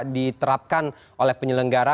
diterapkan oleh penyelenggara